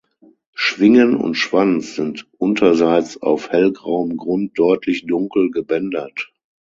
Schwingen und Schwanz sind unterseits auf hellgrauem Grund deutlich dunkel gebändert.